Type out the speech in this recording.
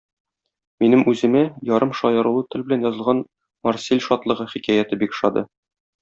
Минем үземә ярымшаярулы тел белән язылган "Марсель шатлыгы" хикәяте бик ошады.